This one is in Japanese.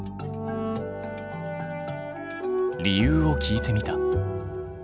理由を聞いてみた。